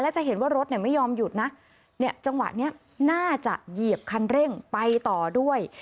จะเห็นว่ารถเนี่ยไม่ยอมหยุดนะเนี่ยจังหวะนี้น่าจะเหยียบคันเร่งไปต่อด้วย